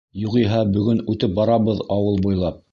Юғиһә бөгөн үтеп барабыҙ ауыл буйлап...